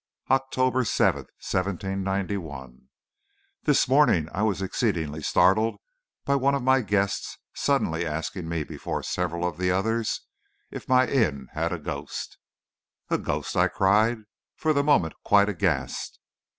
OCTOBER 7, 1791. [Illustration: T] This morning I was exceedingly startled by one of my guests suddenly asking me before several of the others, if my inn had a ghost. "A ghost!" I cried, for the moment quite aghast.